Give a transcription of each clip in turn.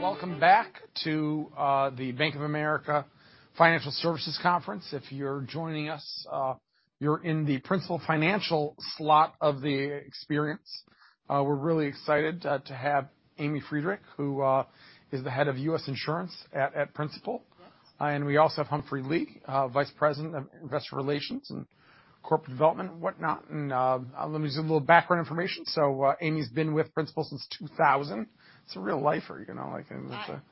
Welcome back to the Bank of America Financial Services Conference. If you're joining us, you're in the Principal Financial slot of the experience. We're really excited to have Amy Friedrich, who is the Head of U.S. Insurance at Principal. We also have Humphrey Lee, Vice President of Investor Relations and Corporate Development and whatnot. Let me give you a little background information. Amy's been with Principal since 2000. It's a real lifer, you know, like. That,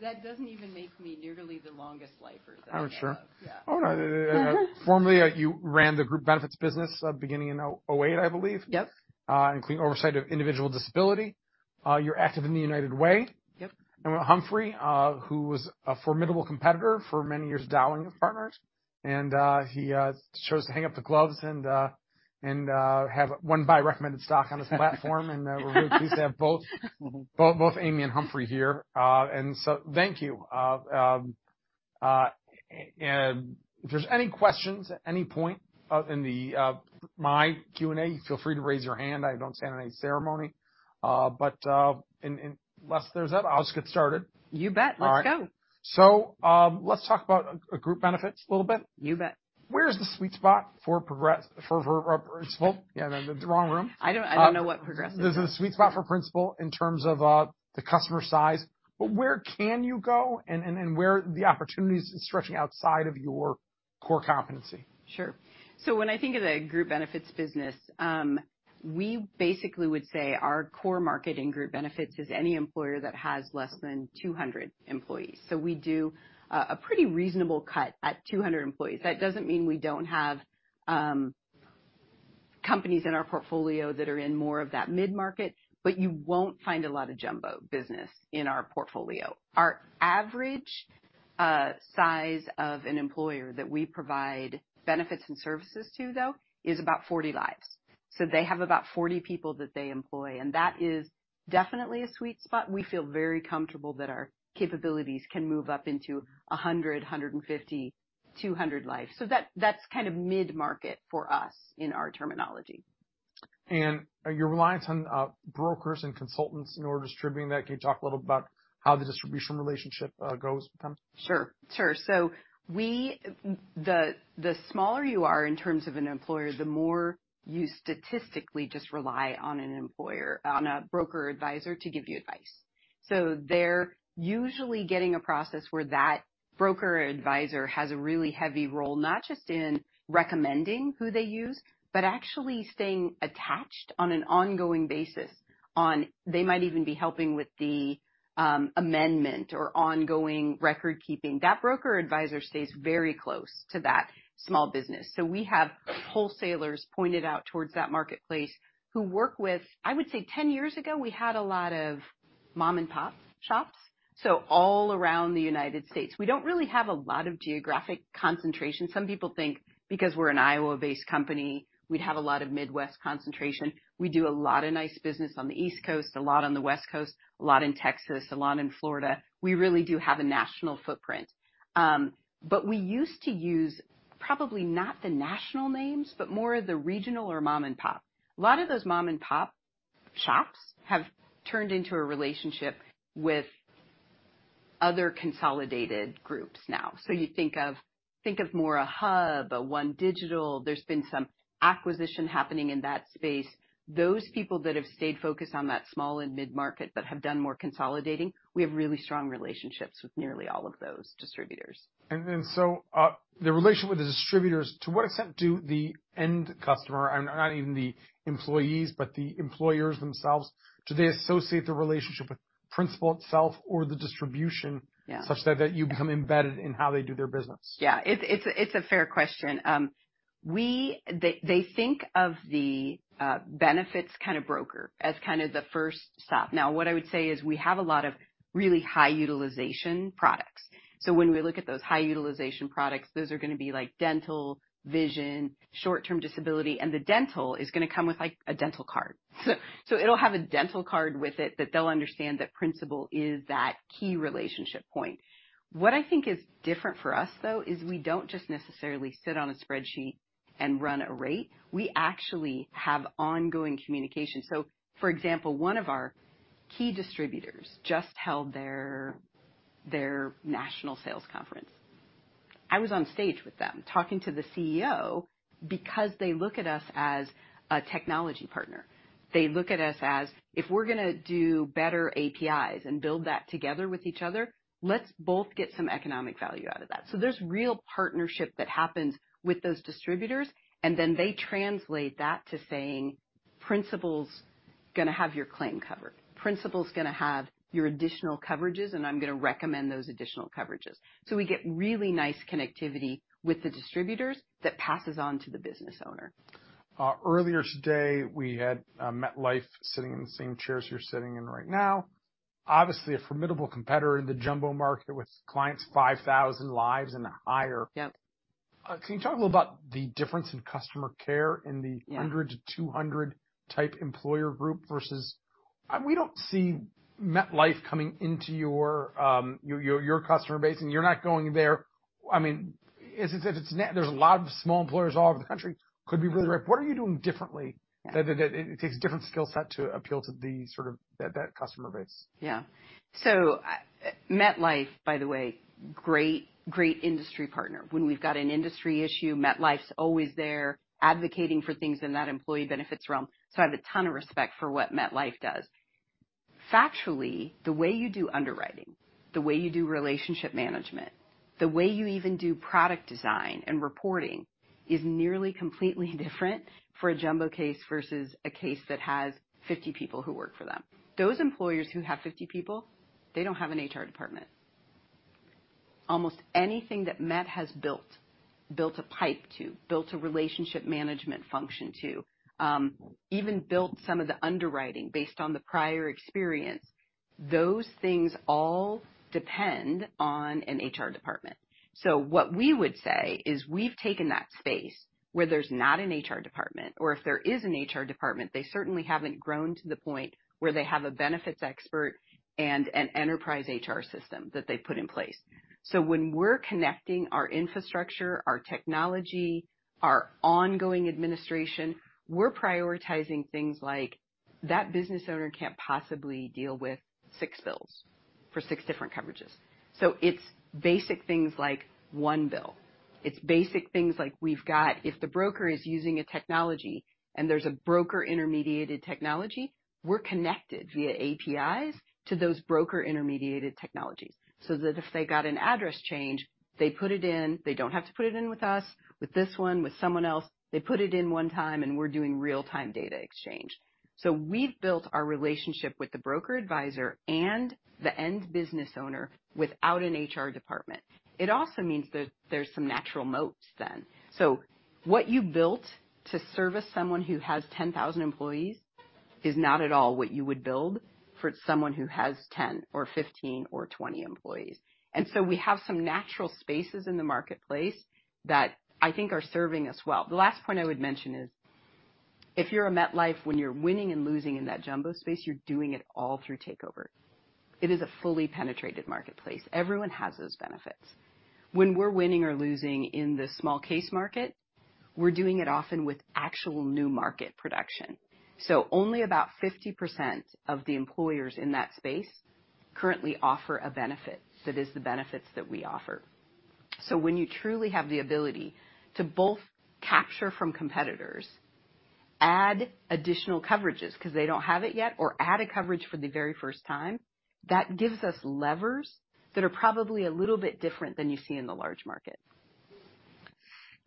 that doesn't even make me nearly the longest lifer. Are you sure? Yeah. No. Formerly, you ran the group benefits business, beginning in 2008, I believe. Yep. Including oversight of individual disability. You're active in the United Way. Yep. Humphrey, who was a formidable competitor for many years, Dowling & Partners. He chose to hang up the gloves and have one buy recommended stock on this platform. We're really pleased to have both Amy and Humphrey here. Thank you. If there's any questions at any point of in the, my Q&A, feel free to raise your hand. I don't stand on any ceremony. Unless there's that, I'll just get started. You bet. All right. Let's go. Let's talk about group benefits a little bit. You bet. Where is the sweet spot for Principal for Principal? Yeah, the wrong room. I don't know what Principal is. There's a sweet spot for Principal in terms of the customer size, but where can you go and where the opportunities stretching outside of your core competency? Sure. When I think of the group benefits business, we basically would say our core market in group benefits is any employer that has less than 200 employees. We do a pretty reasonable cut at 200 employees. That doesn't mean we don't have companies in our portfolio that are in more of that mid-market, but you won't find a lot of jumbo business in our portfolio. Our average size of an employer that we provide benefits and services to, though, is about 40 lives. They have about 40 people that they employ, and that is definitely a sweet spot. We feel very comfortable that our capabilities can move up into 100, 150, 200 lives. That's kind of mid-market for us in our terminology. Are you reliant on brokers and consultants in order to distribute that? Can you talk a little about how the distribution relationship goes sometimes? Sure. Sure. The, the smaller you are in terms of an employer, the more you statistically just rely on a broker advisor to give you advice. They're usually getting a process where that broker or advisor has a really heavy role, not just in recommending who they use, but actually staying attached on an ongoing basis, they might even be helping with the amendment or ongoing record keeping. That broker or advisor stays very close to that small business. We have wholesalers pointed out towards that marketplace who work with, I would say 10 years ago, we had a lot of mom-and-pop shops, so all around the United States. We don't really have a lot of geographic concentration. Some people think because we're an Iowa-based company, we'd have a lot of Midwest concentration. We do a lot of nice business on the East Coast, a lot on the West Coast, a lot in Texas, a lot in Florida. We used to use probably not the national names, but more of the regional or mom-and-pop. A lot of those mom-and-pop shops have turned into a relationship with other consolidated groups now. You think of more a HUB, a OneDigital. There's been some acquisition happening in that space. Those people that have stayed focused on that small and mid-market that have done more consolidating, we have really strong relationships with nearly all of those distributors. The relationship with the distributors, to what extent do the end customer, and not even the employees, but the employers themselves, do they associate the relationship with Principal itself or the distribution-? Yeah. ...such that you become embedded in how they do their business? Yeah. It's a fair question. They think of the benefits kind of broker as kind of the first stop. What I would say is we have a lot of really high utilization products. When we look at those high utilization products, those are gonna be like dental, vision, short-term disability, and the dental is gonna come with, like, a dental card. It'll have a dental card with it that they'll understand that Principal is that key relationship point. What I think is different for us, though, is we don't just necessarily sit on a spreadsheet and run a rate. We actually have ongoing communication. For example, one of our key distributors just held their national sales conference. I was on stage with them talking to the CEO because they look at us as a technology partner. They look at us as if we're gonna do better APIs and build that together with each other, let's both get some economic value out of that. There's real partnership that happens with those distributors, and then they translate that to saying, "Principal's gonna have your claim covered. Principal's gonna have your additional coverages, and I'm gonna recommend those additional coverages." We get really nice connectivity with the distributors that passes on to the business owner. Earlier today, we had MetLife sitting in the same chairs you're sitting in right now. Obviously a formidable competitor in the jumbo market with clients 5,000 lives and higher. Yep. Can you talk a little about the difference in customer care in the... Yeah. ..100 to 200 type employer group versus. We don't see MetLife coming into your customer base, and you're not going there. I mean, is it that there's a lot of small employers all over the country? Could be really right? What are you doing differently that it takes a different skill set to appeal to the sort of that customer base? MetLife, by the way, great industry partner. When we've got an industry issue, MetLife's always there advocating for things in that employee benefits realm. I have a ton of respect for what MetLife does. Factually, the way you do underwriting, the way you do relationship management, the way you even do product design and reporting is nearly completely different for a jumbo case versus a case that has 50 people who work for them. Those employers who have 50 people, they don't have an HR department. Almost anything that Met has built a pipe to, built a relationship management function to, even built some of the underwriting based on the prior experience, those things all depend on an HR department. What we would say is we've taken that space where there's not an HR department or if there is an HR department, they certainly haven't grown to the point where they have a benefits expert and an enterprise HR system that they've put in place. When we're connecting our infrastructure, our technology, our ongoing administration, we're prioritizing things like that business owner can't possibly deal with six bills for six different coverages. It's basic things like one bill. It's basic things like we've got, if the broker is using a technology and there's a broker intermediated technology, we're connected via APIs to those broker intermediated technologies, so that if they got an address change, they put it in. They don't have to put it in with us, with this 1, with someone else. They put it in one time, and we're doing real-time data exchange. We've built our relationship with the broker advisor and the end business owner without an HR department. It also means that there's some natural moats then. What you built to service someone who has 10,000 employees is not at all what you would build for someone who has 10 or 15 or 20 employees. We have some natural spaces in the marketplace that I think are serving us well. The last point I would mention is, if you're a MetLife, when you're winning and losing in that jumbo space, you're doing it all through takeover. It is a fully penetrated marketplace. Everyone has those benefits. When we're winning or losing in the small case market, we're doing it often with actual new market production. Only about 50% of the employers in that space currently offer a benefit that is the benefits that we offer. When you truly have the ability to both capture from competitors, add additional coverages because they don't have it yet, or add a coverage for the very first time, that gives us levers that are probably a little bit different than you see in the large market.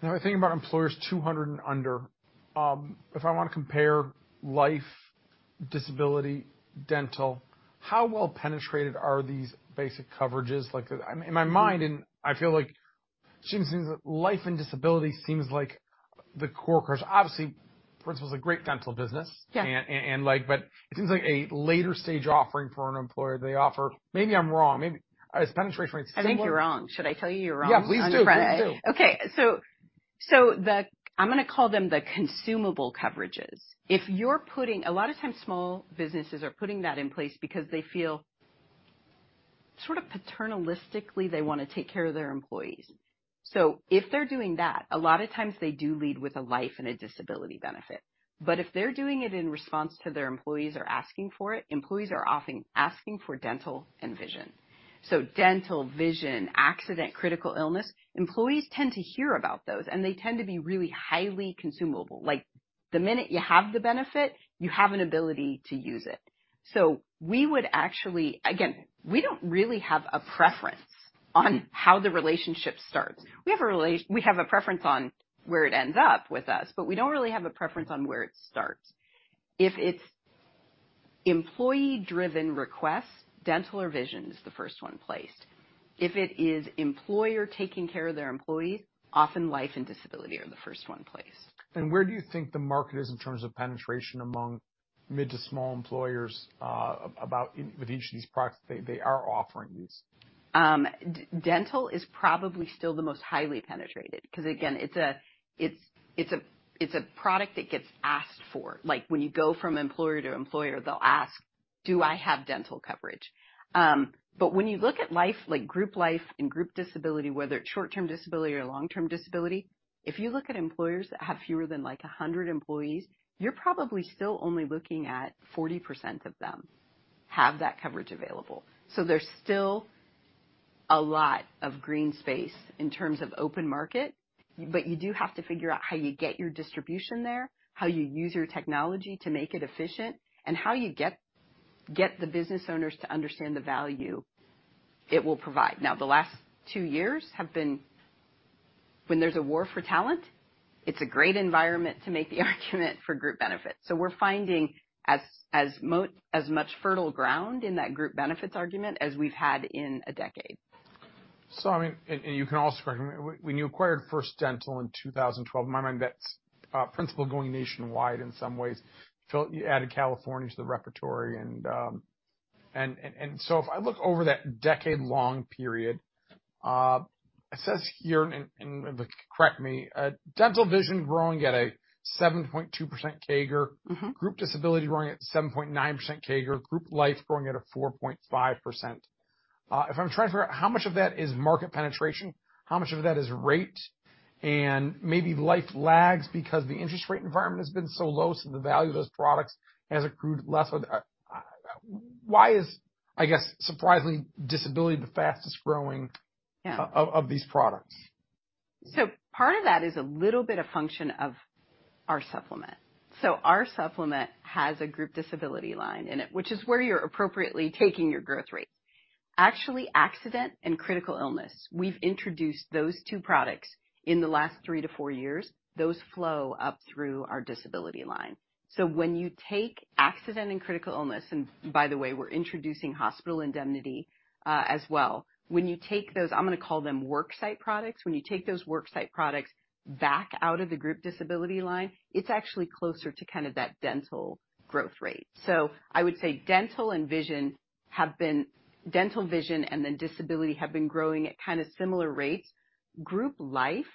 I think about employers 200 and under. If I want to compare life, disability, dental, how well penetrated are these basic coverages? Like, in my mind, and I feel like life and disability seems like the core course. Obviously, Principal's a great dental business. Yeah. Like, but it seems like a later stage offering for an employer they offer. Maybe I'm wrong. Maybe it's penetration rates- I think you're wrong. Should I tell you you're wrong on Friday? Yeah, please do. Please do. Okay. I'm gonna call them the consumable coverages. A lot of times small businesses are putting that in place because they feel sort of paternalistically they wanna take care of their employees. If they're doing that, a lot of times they do lead with a life and a disability benefit. If they're doing it in response to their employees are asking for it, employees are often asking for dental and vision. Dental, vision, accident, critical illness, employees tend to hear about those, and they tend to be really highly consumable. Like, the minute you have the benefit, you have an ability to use it. We would actually. Again, we don't really have a preference on how the relationship starts. We have a preference on where it ends up with us, but we don't really have a preference on where it starts. If it's employee-driven requests, dental or vision is the first one placed. If it is employer taking care of their employees, often life and disability are the first one placed. Where do you think the market is in terms of penetration among mid to small employers, with each of these products they are offering these? Dental is probably still the most highly penetrated because again, it's a product that gets asked for. Like, when you go from employer to employer, they'll ask, "Do I have dental coverage?" When you look at life, like group life and group disability, whether it's short-term disability or long-term disability, if you look at employers that have fewer than 100 employees, you're probably still only looking at 40% of them have that coverage available. There's still a lot of green space in terms of open market, but you do have to figure out how you get your distribution there, how you use your technology to make it efficient, and how you get the business owners to understand the value it will provide. The last two years have been when there's a war for talent, it's a great environment to make the argument for group benefits. We're finding as much fertile ground in that group benefits argument as we've had in a decade. You can also correct me. When you acquired First Dental in 2012, in my mind, that's Principal going nationwide in some ways. Felt you added California to the repertoire and if I look over that decade-long period, it says here correct me, dental vision growing at a 7.2% CAGR. Mm-hmm. Group disability growing at 7.9% CAGR. Group life growing at a 4.5%. If I'm trying to figure out how much of that is market penetration, how much of that is rate and maybe life lags because the interest rate environment has been so low, so the value of those products has accrued less over... Why is, I guess, surprisingly, disability the fastest growing? Yeah. Of these products? Part of that is a little bit of function of our supplement. Our supplement has a group disability line in it, which is where you're appropriately taking your growth rate. Actually, accident and critical illness, we've introduced those two products in the last three to four years. Those flow up through our disability line. When you take accident and critical illness, and by the way, we're introducing hospital indemnity as well. When you take those, I'm gonna call them worksite products. When you take those worksite products back out of the group disability line, it's actually closer to kinda that dental growth rate. I would say dental and vision have been dental, vision, and then disability have been growing at kinda similar rates. Group life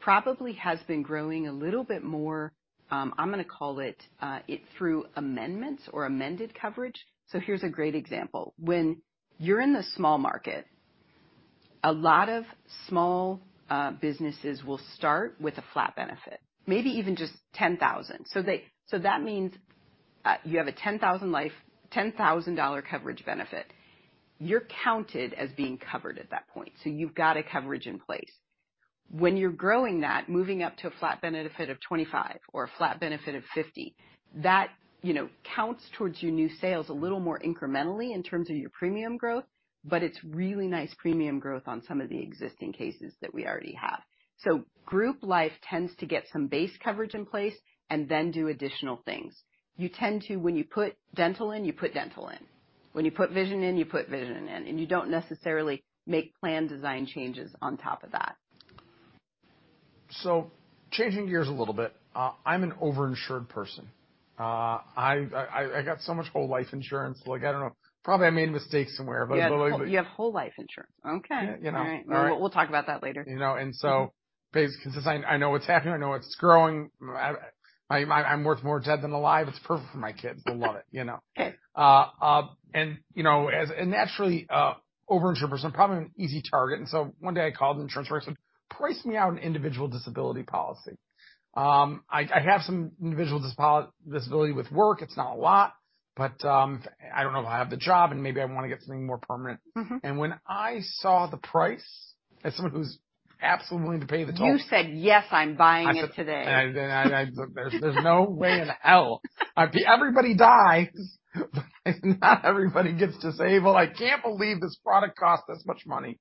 probably has been growing a little bit more, I'm gonna call it, through amendments or amended coverage. Here's a great example. When you're in the small market, a lot of small businesses will start with a flat benefit, maybe even just 10,000. That means you have a 10,000 life, $10,000 coverage benefit. You're counted as being covered at that point, so you've got a coverage in place. When you're growing that, moving up to a flat benefit of 25 or a flat benefit of 50, that, you know, counts towards your new sales a little more incrementally in terms of your premium growth, but it's really nice premium growth on some of the existing cases that we already have. Group life tends to get some base coverage in place and then do additional things. You tend to, when you put dental in, you put dental in. When you put vision in, you put vision in. You don't necessarily make plan design changes on top of that. Changing gears a little bit. I'm an over-insured person. I got so much whole life insurance, like, I don't know, probably I made a mistake somewhere. You have whole life insurance. Okay. You know. All right. We'll talk about that later. You know, Since I know what's happening, I know it's growing. I'm worth more dead than alive. It's perfect for my kids. They love it, you know. Okay. You know, as a naturally, over-insured person, I'm probably an easy target. One day I called the insurance person, "Price me out an individual disability policy." I have some individual disability with work. It's not a lot, but, I don't know if I'll have the job, and maybe I wanna get something more permanent. Mm-hmm. When I saw the price as someone who's absolutely willing to pay the toll. You said, "Yes, I'm buying it today. I said, There's no way in hell. Everybody dies, but not everybody gets disabled. I can't believe this product costs this much money.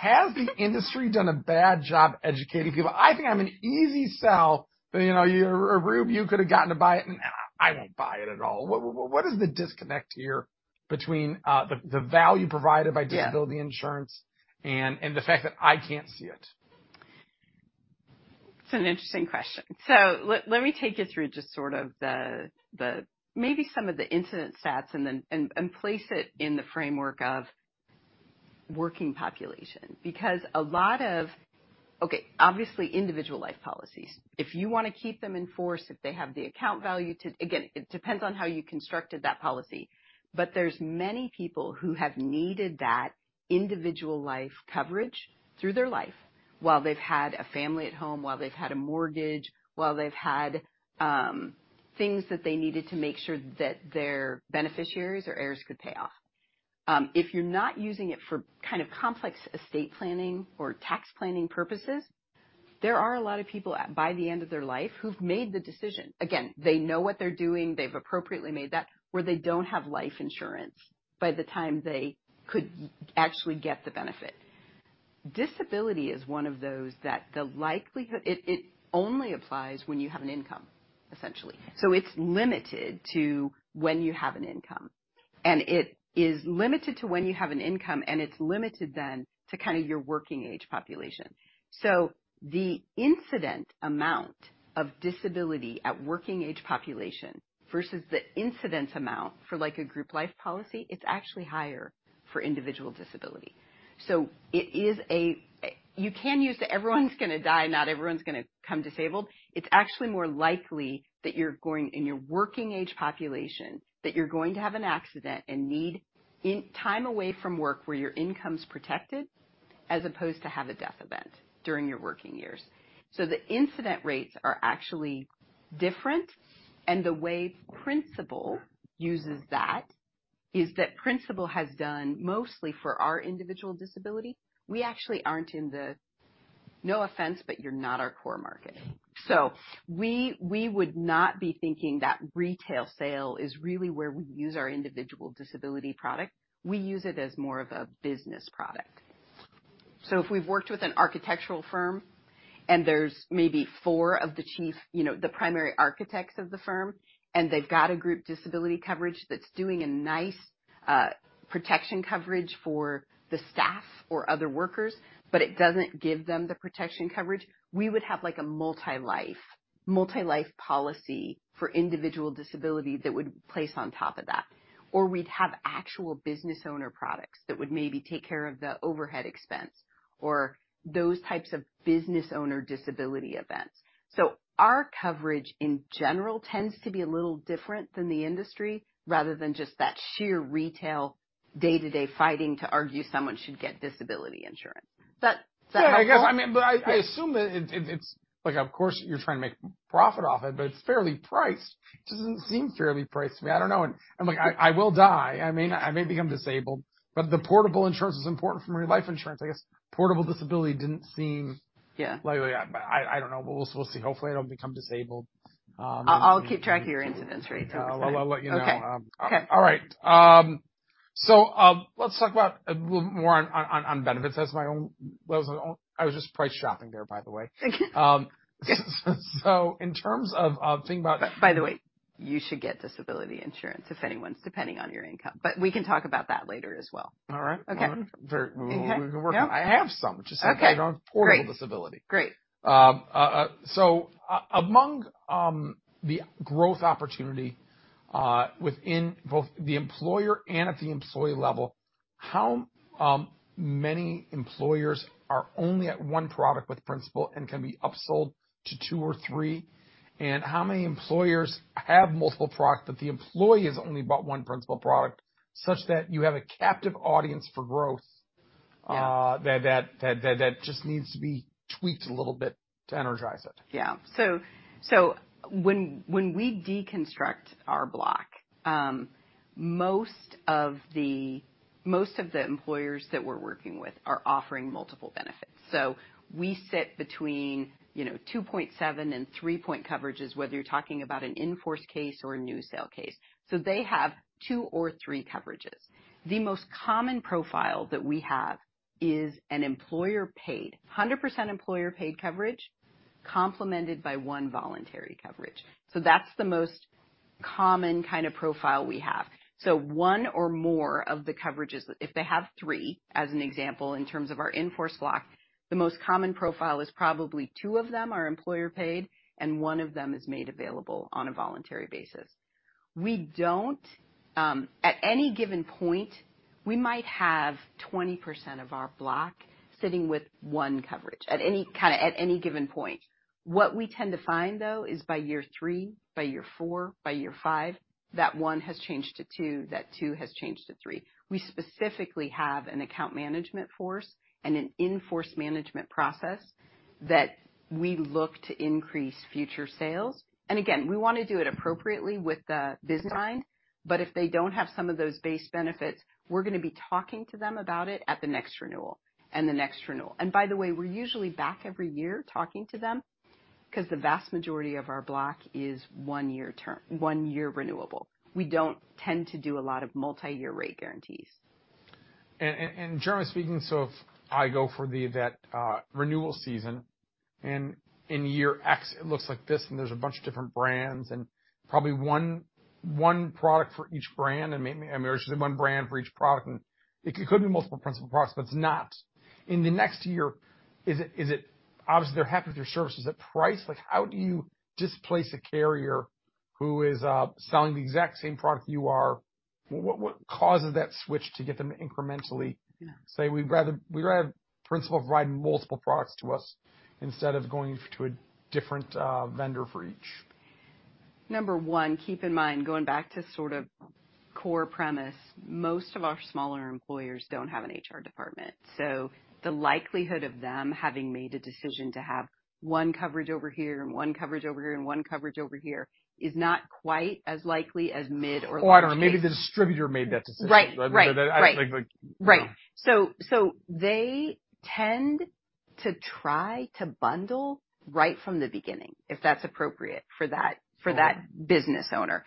Has the industry done a bad job educating people? I think I'm an easy sell. You know, Rube, you could have gotten to buy it, and I won't buy it at all. What is the disconnect here between the value provided by disability insurance and the fact that I can't see it? It's an interesting question. Let me take you through just sort of the maybe some of the incident stats and then, and place it in the framework of working population. A lot of... Okay, obviously individual life policies, if you wanna keep them in force, if they have the account value to... Again, it depends on how you constructed that policy. There's many people who have needed that individual life coverage through their life while they've had a family at home, while they've had a mortgage, while they've had things that they needed to make sure that their beneficiaries or heirs could pay off. If you're not using it for kind of complex estate planning or tax planning purposes, there are a lot of people by the end of their life who've made the decision. They know what they're doing, they've appropriately made that, where they don't have life insurance by the time they could actually get the benefit. Disability is one of those that the likelihood. It only applies when you have an income, essentially. It's limited to when you have an income. It is limited to when you have an income, and it's limited then to kinda your working age population. The incidence amount of disability at working age population versus the incidence amount for like a group life policy, it's actually higher for individual disability. It is. You can use everyone's gonna die, not everyone's gonna come disabled. It's actually more likely that you're going, in your working age population, that you're going to have an accident and need time away from work where your income's protected as opposed to have a death event during your working years. The incident rates are actually different, and the way Principal uses that is that Principal has done mostly for our individual disability. We actually aren't in the, no offense, but you're not our core market. We would not be thinking that retail sale is really where we use our individual disability product. We use it as more of a business product. If we've worked with an architectural firm and there's maybe four of the chief, you know, the primary architects of the firm, and they've got a group disability coverage that's doing a nice protection coverage for the staff or other workers, but it doesn't give them the protection coverage. We would have like a multi-life policy for individual disability that would place on top of that. We'd have actual business owner products that would maybe take care of the overhead expense or those types of business owner disability events. Our coverage in general tends to be a little different than the industry, rather than just that sheer retail day-to-day fighting to argue someone should get disability insurance. Does that help at all? Yeah, I guess. I mean, I assume it's like, of course, you're trying to make profit off it, but it's fairly priced. It doesn't seem fairly priced to me. I don't know. I'm like, I will die. I may become disabled, but the portable insurance is important for me, life insurance, I guess. Portable disability didn't seem- Yeah. Like, I don't know. We'll, we'll see. Hopefully I don't become disabled. I'll keep track of your incidents rate over time. Well, I'll let you know. Okay. Okay. All right. let's talk about a little more on benefits. That was my own... I was just price shopping there, by the way. You should get disability insurance if anyone's depending on your income. We can talk about that later as well. All right. Okay. Very well. Mm-hmm. Yep. We're working. I have some. Okay. Just don't have portable disability. Great. Great. Among, the growth opportunity, within both the employer and at the employee level, how many employers are only at one product with Principal and can be upsold to two or three? How many employers have multiple products that the employee has only bought one Principal product such that you have a captive audience for growth.. Yeah... that just needs to be tweaked a little bit to energize it? Yeah. When we deconstruct our block, most of the employers that we're working with are offering multiple benefits. We sit between, you know, 2.7 and 3. coverages, whether you're talking about an in-force case or a new sale case. They have two or three coverages. The most common profile that we have is an employer-paid, 100% employer-paid coverage complemented by one voluntary coverage. That's the most common kind of profile we have. One or more of the coverages, if they have three, as an example, in terms of our in-force block, the most common profile is probably two of them are employer-paid and one of them is made available on a voluntary basis. We don't... At any given point, we might have 20% of our block sitting with one coverage at any given point. What we tend to find, though, is by year three, by year four, by year five, that one has changed to two, that two has changed to three. We specifically have an account management force and an in-force management process that we look to increase future sales. Again, we want to do it appropriately with the business line, but if they don't have some of those base benefits, we're gonna be talking to them about it at the next renewal and the next renewal. By the way, we're usually back every year talking to them because the vast majority of our block is one-year term, one-year renewable. We don't tend to do a lot of multi-year rate guarantees. Generally speaking, if I go for the, that, renewal season and in year X it looks like this and there's a bunch of different brands and probably one product for each brand, and maybe there's one brand for each product, and it could be multiple Principal products, but it's not. In the next year, is it obviously they're happy with your services, the price? Like how do you displace a carrier who is selling the exact same product you are? What causes that switch to get them to incrementally- Yeah... say we'd rather have Principal providing multiple products to us instead of going to a different vendor for each? Number 1, keep in mind, going back to sort of core premise, most of our smaller employers don't have an HR department. The likelihood of them having made a decision to have one coverage over here and one coverage over here and one coverage over here is not quite as likely as mid or large case. I don't know, maybe the distributor made that decision. Right. Right. Right. Like the... Yeah. Right. They tend to try to bundle right from the beginning, if that's appropriate for that business owner.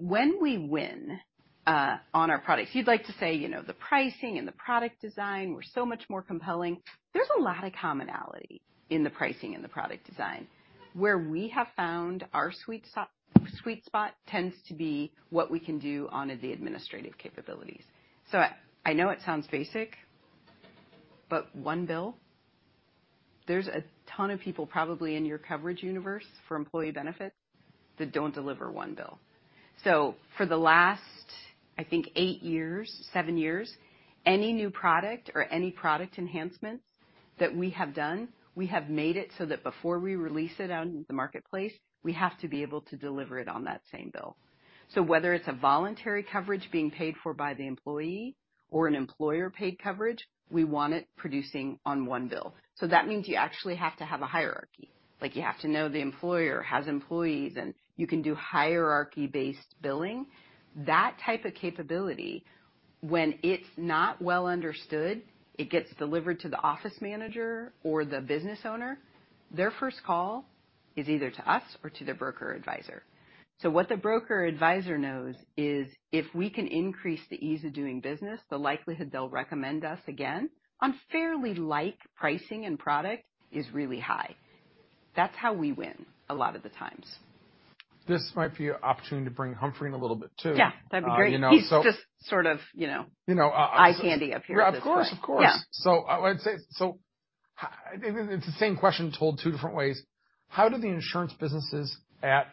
When we win on our products, you know, the pricing and the product design were so much more compelling. There's a lot of commonality in the pricing and the product design. Where we have found our sweet spot tends to be what we can do on the administrative capabilities. I know it sounds basic, but one bill, there's a ton of people probably in your coverage universe for employee benefits that don't deliver one bill. For the last, I think eight years, seven years, any new product or any product enhancements that we have done, we have made it so that before we release it out into the marketplace, we have to be able to deliver it on that same bill. Whether it's a voluntary coverage being paid for by the employee or an employer-paid coverage, we want it producing on one bill. That means you actually have to have a hierarchy. Like, you have to know the employer has employees, and you can do hierarchy-based billing. That type of capability, when it's not well understood, it gets delivered to the office manager or the business owner. Their first call is either to us or to their broker or advisor. What the broker or advisor knows is if we can increase the ease of doing business, the likelihood they'll recommend us again on fairly like pricing and product is really high. That's how we win a lot of the times. This might be an opportunity to bring Humphrey in a little bit too. Yeah, that'd be great. You know. He's just sort of, you know. You know. Eye candy up here at this point. Of course, of course. Yeah. I'd say it's the same question told two different ways: How do the insurance businesses at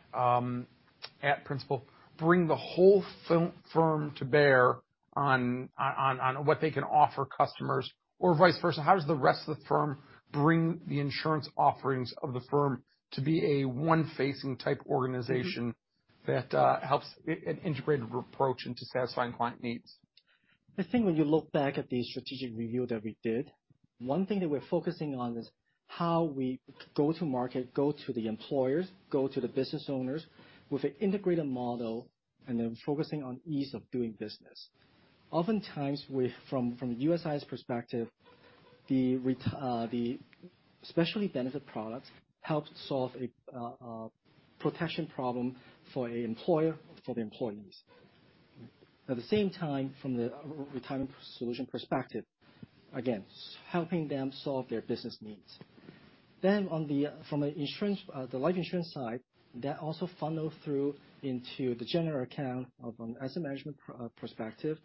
Principal bring the whole firm to bear on what they can offer customers or vice versa? How does the rest of the firm bring the insurance offerings of the firm to be a one-facing type organization.. Mm-hmm. ..that helps an integrated approach into satisfying client needs? I think when you look back at the strategic review that we did, one thing that we're focusing on is how we go to market, go to the employers, go to the business owners with an integrated model, and then focusing on ease of doing business. Oftentimes from USI's perspective, the specialty benefit products help solve a protection problem for a employer or for the employees. At the same time, from the retirement solution perspective, again, helping them solve their business needs. On the from an insurance, the life insurance side, that also funneled through into the general account of an asset management perspective.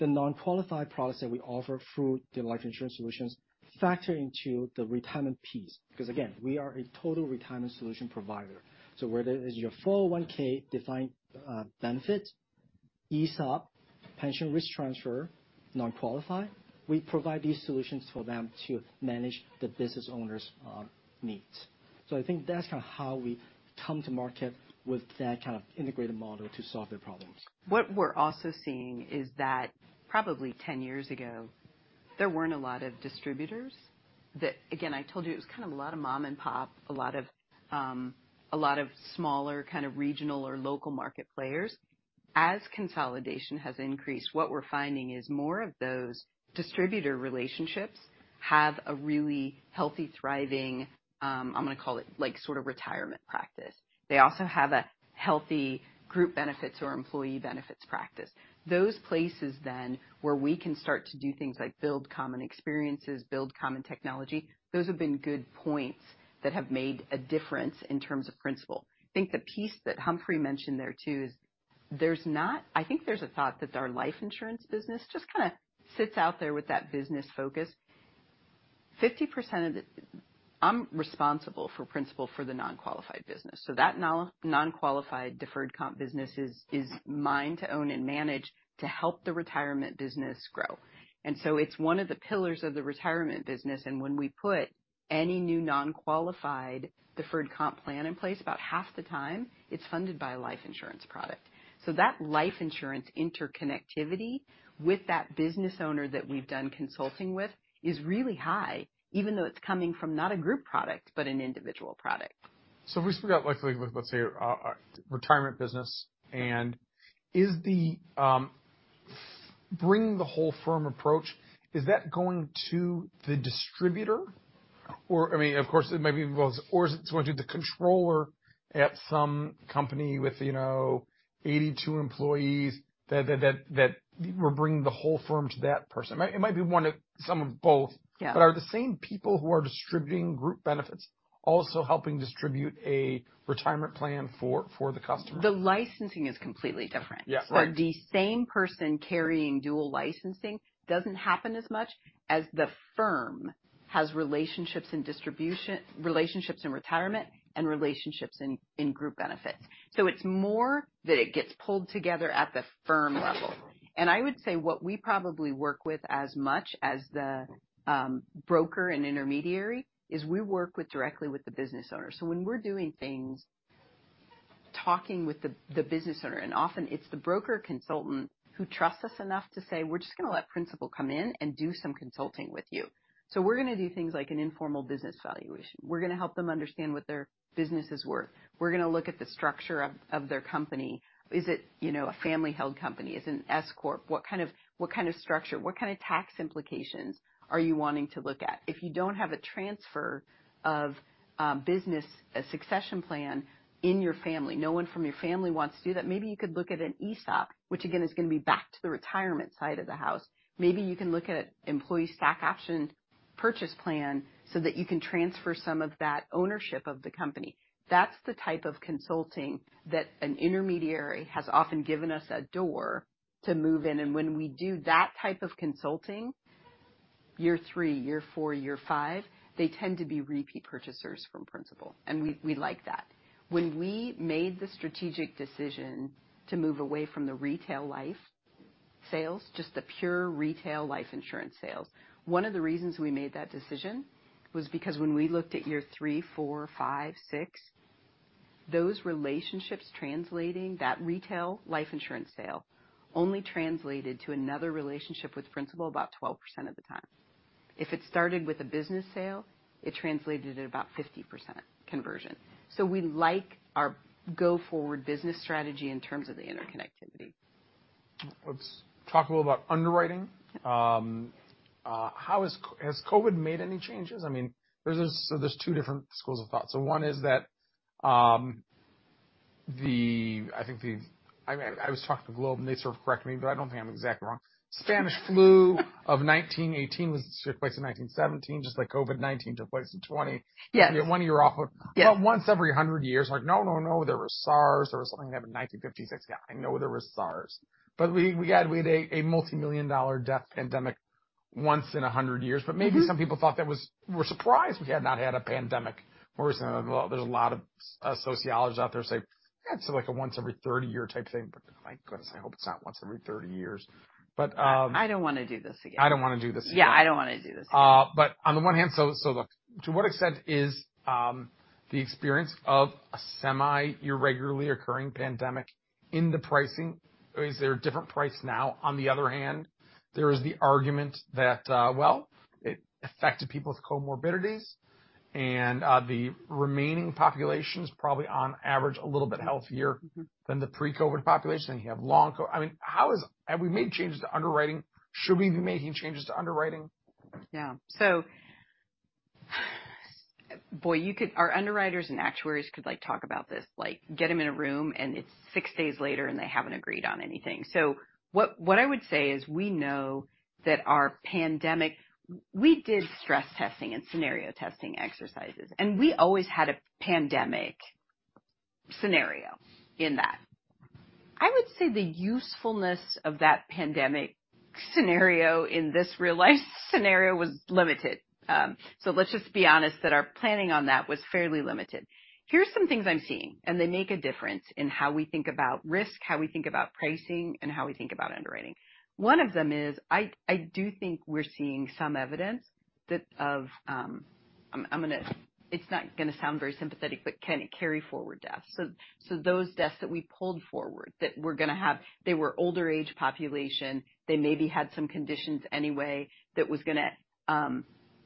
The non-qualified products that we offer through the life insurance solutions factor into the retirement piece, because, again, we are a total retirement solution provider. Whether it is your 401(k) defined benefit, ESOP, pension risk transfer, non-qualified, we provide these solutions for them to manage the business owners' needs. I think that's kind of how we come to market with that kind of integrated model to solve their problems. What we're also seeing is that probably 10 years ago, there weren't a lot of distributors that, again, I told you it was kind of a lot of mom and pop, a lot of smaller kind of regional or local market players. Consolidation has increased, what we're finding is more of those distributor relationships have a really healthy, thriving, I'm going to call it like sort of retirement practice. They also have a healthy group benefits or employee benefits practice. Those places where we can start to do things like build common experiences, build common technology, those have been good points that have made a difference in terms of Principal. I think the piece that Humphrey mentioned there, too, is I think there's a thought that our life insurance business just kind of sits out there with that business focus. 50% of it. I'm responsible for Principal for the non-qualified business. That non-qualified deferred comp business is mine to own and manage to help the retirement business grow. It's one of the pillars of the retirement business. When we put any new non-qualified deferred comp plan in place, about half the time it's funded by a life insurance product. That life insurance interconnectivity with that business owner that we've done consulting with is really high, even though it's coming from not a group product, but an individual product. If we forgot, like, let's say, our retirement business and is the bring the whole firm approach, is that going to the distributor or, I mean, of course it may be both, or is it going to the controller at some company with, you know, 82 employees that we're bringing the whole firm to that person? It might be some of both. Yeah. Are the same people who are distributing group benefits also helping distribute a retirement plan for the customer? The licensing is completely different. Yeah. Right. The same person carrying dual licensing doesn't happen as much as the firm has relationships in distribution, relationships in retirement and relationships in group benefits. It's more that it gets pulled together at the firm level. I would say what we probably work with as much as the broker and intermediary is we work with directly with the business owner. When we're doing things, talking with the business owner, and often it's the broker consultant who trusts us enough to say, "We're just gonna let Principal come in and do some consulting with you." We're gonna do things like an informal business valuation. We're gonna help them understand what their business is worth. We're gonna look at the structure of their company. Is it, you know, a family-held company? Is it an S corp? What kind of structure, what kind of tax implications are you wanting to look at? If you don't have a transfer of business, a succession plan in your family, no one from your family wants to do that, maybe you could look at an ESOP, which again, is gonna be back to the retirement side of the house. Maybe you can look at employee stock option purchase plan so that you can transfer some of that ownership of the company. That's the type of consulting that an intermediary has often given us a door to move in. When we do that type of consulting, year three, year four, year five, they tend to be repeat purchasers from Principal, and we like that. When we made the strategic decision to move away from the retail life sales, just the pure retail life insurance sales, one of the reasons we made that decision was because when we looked at year 3,4,5,6, those relationships translating, that retail life insurance sale only translated to another relationship with Principal about 12% of the time. If it started with a business sale, it translated at about 50% conversion. We like our go-forward business strategy in terms of the interconnectivity. Let's talk a little about underwriting. Yeah. How has COVID made any changes? I mean, there's this, there's two different schools of thought. One is that, I think I mean, I was talking to Globe and they sort of corrected me, but I don't think I'm exactly wrong. Spanish flu of 1918 took place in 1917, just like COVID-19 took place in 2020. Yes. You're one year off. About once every 100 years. Like, no, no, there was SARS. There was something that happened in 1956. Yeah, I know there was SARS, we had a multimillion dollar death pandemic once in 100 years. Mm-hmm. Maybe some people were surprised we had not had a pandemic more so. There's a lot of sociologists out there say, "Yeah, it's like a once every 30 year type thing." My goodness, I hope it's not once every 30 years. I don't wanna do this again. I don't wanna do this again. Yeah, I don't wanna do this again. On the one hand, look, to what extent is the experience of a semi-irregularly occurring pandemic in the pricing? Is there a different price now? On the other hand, there is the argument that, well, it affected people's comorbidities and the remaining population is probably on average a little bit healthier... Mm-hmm. Than the pre-COVID population, and you have long COVID. I mean, have we made changes to underwriting? Should we be making changes to underwriting? Yeah. Boy, our underwriters and actuaries could, like, talk about this. Like, get them in a room and it's six days later and they haven't agreed on anything. What I would say is, we know that our pandemic. We did stress testing and scenario testing exercises, and we always had a pandemic scenario in that. I would say the usefulness of that pandemic scenario in this real life scenario was limited. Let's just be honest that our planning on that was fairly limited. Here's some things I'm seeing, and they make a difference in how we think about risk, how we think about pricing, and how we think about underwriting. One of them is, I do think we're seeing some evidence that, of, it's not gonna sound very sympathetic, but can it carry forward deaths? Those deaths that we pulled forward that we're gonna have, they were older age population. They maybe had some conditions anyway that was gonna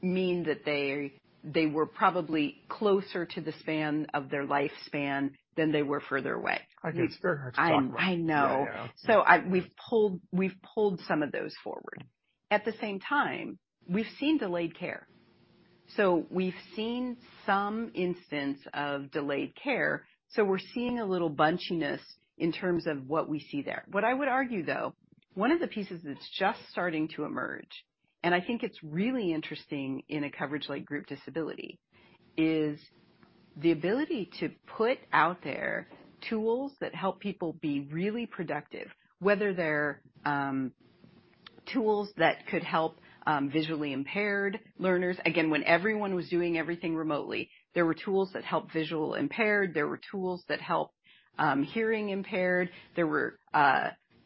mean that they were probably closer to the span of their lifespan than they were further away. I think it's very hard to talk about. I know. Yeah. We've pulled some of those forward. At the same time, we've seen delayed care. We've seen some instances of delayed care, so we're seeing a little bunchiness in terms of what we see there. What I would argue though, one of the pieces that's just starting to emerge, and I think it's really interesting in a coverage like group disability, is the ability to put out there tools that help people be really productive. Whether they're tools that could help visually impaired learners. Again, when everyone was doing everything remotely, there were tools that helped visually impaired. There were tools that helped hearing impaired. There were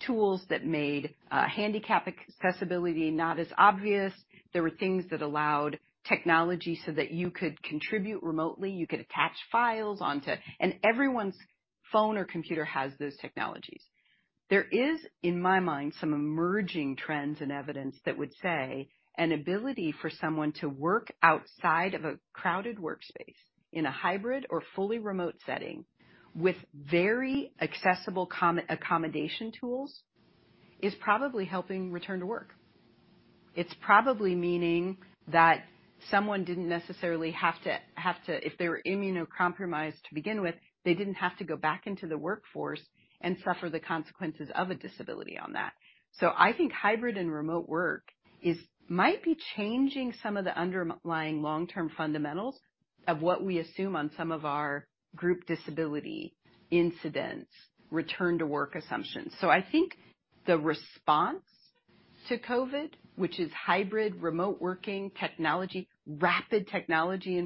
tools that made handicap accessibility not as obvious. There were things that allowed technology so that you could contribute remotely, you could attach files onto. Everyone's phone or computer has those technologies. There is, in my mind, some emerging trends and evidence that would say an ability for someone to work outside of a crowded workspace in a hybrid or fully remote setting with very accessible accommodation tools is probably helping return to work. It's probably meaning that someone didn't necessarily have to, if they were immunocompromised to begin with, they didn't have to go back into the workforce and suffer the consequences of a disability on that. I think hybrid and remote work might be changing some of the underlying long-term fundamentals of what we assume on some of our group disability incidents, return to work assumptions. I think the response to COVID, which is hybrid, remote working technology, rapid technology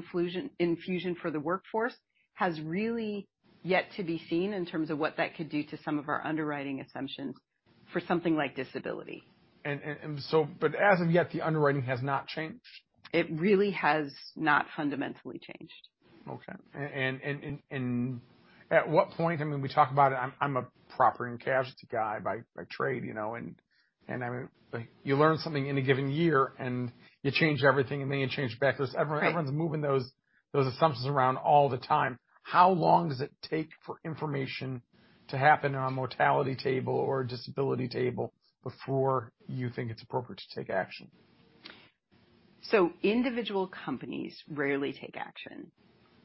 infusion for the workforce, has really yet to be seen in terms of what that could do to some of our underwriting assumptions for something like disability. As of yet, the underwriting has not changed. It really has not fundamentally changed. Okay. At what point, I mean, we talk about it, I'm a property and casualty guy by trade, you know, and I mean, you learn something in a given year and you change everything, and then you change it back. Right. Everyone's moving those assumptions around all the time. How long does it take for information to happen on a mortality table or a disability table before you think it's appropriate to take action? Individual companies rarely take action.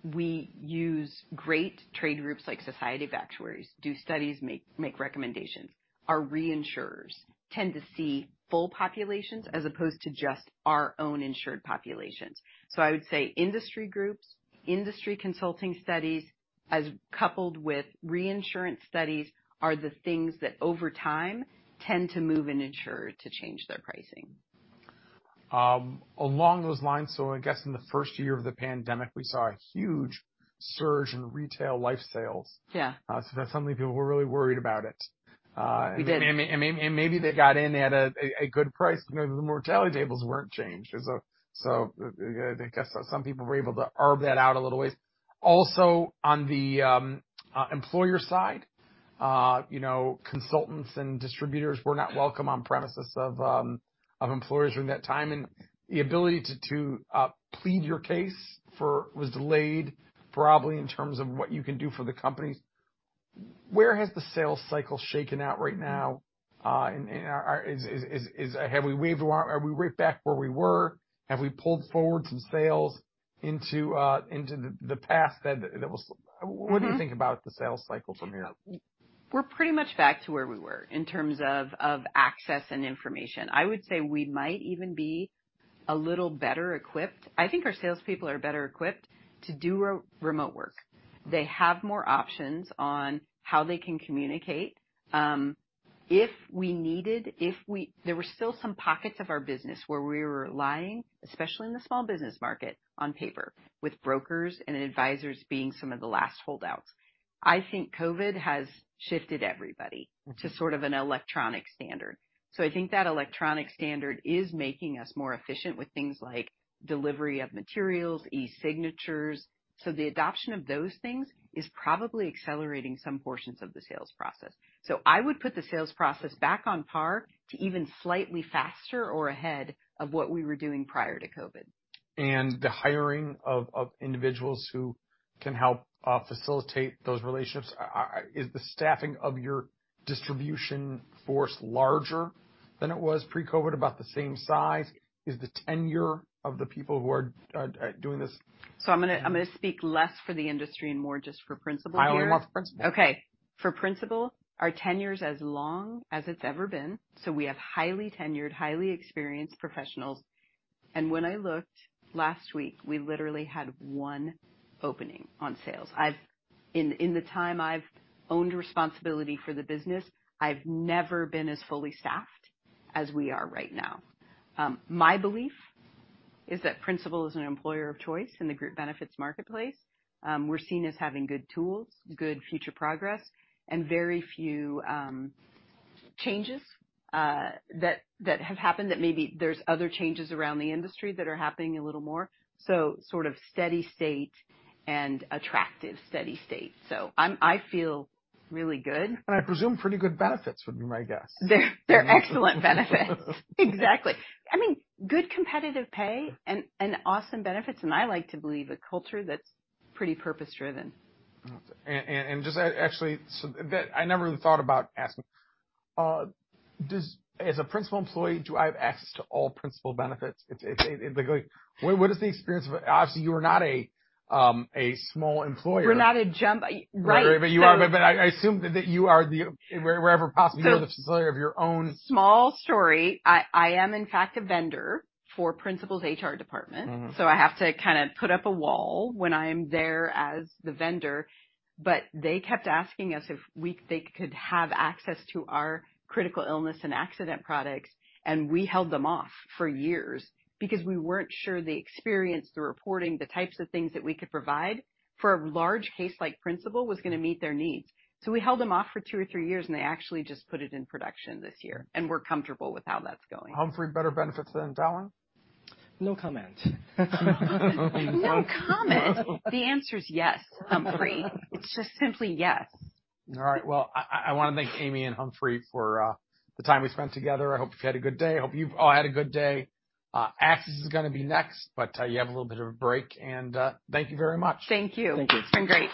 We use great trade groups like Society of Actuaries, do studies, make recommendations. Our reinsurers tend to see full populations as opposed to just our own insured populations. I would say industry groups, industry consulting studies, as coupled with reinsurance studies are the things that over time tend to move an insurer to change their pricing. Along those lines, I guess in the first year of the pandemic, we saw a huge surge in retail life sales. Yeah. Some of the people were really worried about it. We did. Maybe they got in at a good price because the mortality tables weren't changed. I guess some people were able to arb that out a little ways. Also, on the employer side, you know, consultants and distributors were not welcome on premises of employers during that time. The ability to plead your case for was delayed probably in terms of what you can do for the companies. Where has the sales cycle shaken out right now? Are we right back where we were? Have we pulled forward some sales? Into the past then that was- Mm-hmm. What do you think about the sales cycle from here? We're pretty much back to where we were in terms of access and information. I would say we might even be a little better equipped. I think our salespeople are better equipped to do remote work. They have more options on how they can communicate. There were still some pockets of our business where we were lying, especially in the small business market, on paper, with brokers and advisors being some of the last holdouts. I think COVID has shifted everybody.. Mm-hmm. -to sort of an electronic standard. I think that electronic standard is making us more efficient with things like delivery of materials, e-signatures. The adoption of those things is probably accelerating some portions of the sales process. I would put the sales process back on par to even slightly faster or ahead of what we were doing prior to COVID-19. The hiring of individuals who can help facilitate those relationships. Is the staffing of your distribution force larger than it was pre-COVID? About the same size? Is the tenure of the people who are doing this- I'm gonna speak less for the industry and more just for Principal here. I only want Principal. Okay. For Principal, our tenure is as long as it's ever been, so we have highly tenured, highly experienced professionals. When I looked last week, we literally had one opening on sales. In the time I've owned responsibility for the business, I've never been as fully staffed as we are right now. My belief is that Principal is an employer of choice in the group benefits marketplace. We're seen as having good tools, good future progress, and very few changes that have happened that maybe there's other changes around the industry that are happening a little more. Sort of steady state and attractive steady state. I feel really good. I presume pretty good benefits would be my guess. They're excellent benefits. Exactly. I mean, good competitive pay and awesome benefits. I like to believe a culture that's pretty purpose driven. Just, actually so. That I never even thought about asking. As a Principal employee, do I have access to all Principal benefits? It like what is the experience of it? Obviously, you are not a small employer. We're not a gem--. Right. You are. I assume that you are the, wherever possible, you're the familiar of your own. Small story. I am in fact a vendor for Principal's HR department. Mm-hmm. I have to kind of put up a wall when I'm there as the vendor. They kept asking us if they could have access to our critical illness and accident products, and we held them off for years because we weren't sure the experience, the reporting, the types of things that we could provide for a large case like Principal was going to meet their needs. We held them off for two or three years and they actually just put it in production this year. We're comfortable with how that's going. Humphrey, better benefits than Fallon? No comment. No comment? The answer is yes, Humphrey. It's just simply yes. All right. Well, I want to thank Amy and Humphrey for the time we spent together. I hope you've had a good day. Hope you've all had a good day. AXIS is going to be next. You have a little bit of a break and thank you very much. Thank you. Thank you. It's been great.